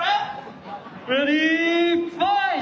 レディファイト！